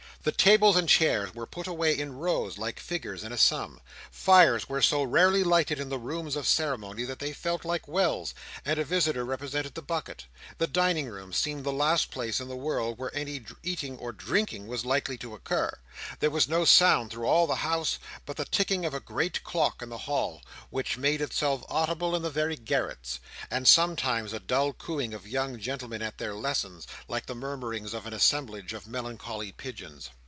The tables and chairs were put away in rows, like figures in a sum; fires were so rarely lighted in the rooms of ceremony, that they felt like wells, and a visitor represented the bucket; the dining room seemed the last place in the world where any eating or drinking was likely to occur; there was no sound through all the house but the ticking of a great clock in the hall, which made itself audible in the very garrets; and sometimes a dull cooing of young gentlemen at their lessons, like the murmurings of an assemblage of melancholy pigeons.